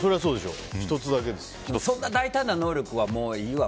そんな大胆な能力はもういいわ。